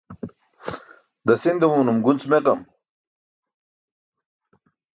Dasin dumumanum gunc meġam.